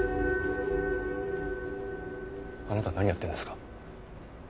あなたは何やってるんですか？